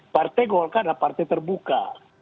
partai golkar adalah partai terbuka